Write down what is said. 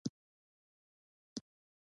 ښوونځی د ژوند ښوونځی دی